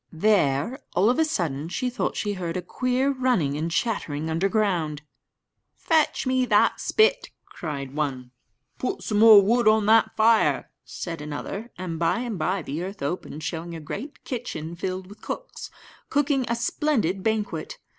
There, all of a sudden, she thought she heard a queer running about and chattering underground. "Fetch me that spit," cried one; "Put some more wood on that fire," said another; and by and by the earth opened, showing a great kitchen filled with cooks, cooking a splendid banquet.